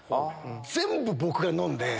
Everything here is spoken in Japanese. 全部、僕が飲んで。